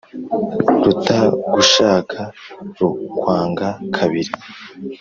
Rutagushaka rukwanga kabiri